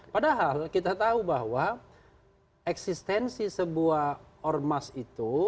padahal kita tahu bahwa eksistensi sebuah ormas itu